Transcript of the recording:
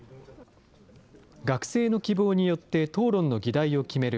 学生の希望によって討論の議題を決める